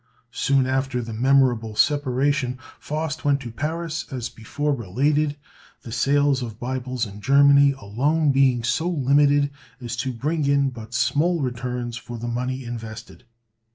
Soon after the memorable separation, Faust went to Paris as before related, the sales of Bibles in Germany alone being so limited as to bring in but small returns for the money invested.